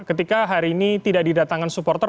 ketika hari ini tidak didatangkan supporter